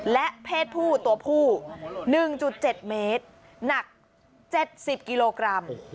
และเพศผู้ตัวผู้๑๗เมตรหนัก๗๐กิโลกรัม